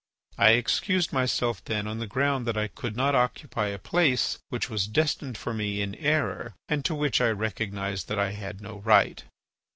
I excused myself then on the ground that I could not occupy a place which was destined for me in error and to which I recognised that I had no right.